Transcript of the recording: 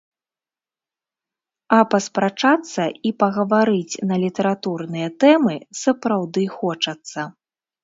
А паспрачацца і пагаварыць на літаратурныя тэмы сапраўды хочацца.